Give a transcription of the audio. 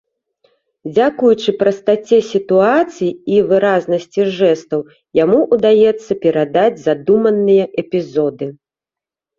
Дзякуючы прастаце сітуацый і выразнасці жэстаў яму ўдаецца перадаць задуманыя эпізоды.